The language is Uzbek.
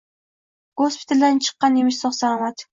Gospitaldan chikkan emish sog’-salomat